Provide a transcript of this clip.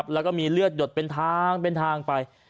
เลือดหลัยเป็นทาง